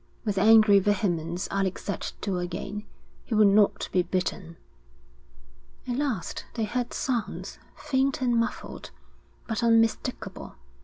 With angry vehemence Alec set to again. He would not be beaten. At last they heard sounds, faint and muffled, but unmistakable.